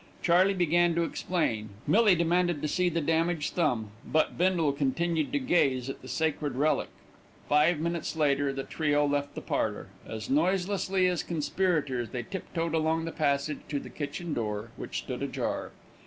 Charley began to explain, Millie demanded to see the damaged thumb but Bindle continued to gaze at the sacred relic. Five minutes later, the trio left the parlour. As noiselessly as conspirators they tip toed along the passage to the kitchen door, which stood ajar.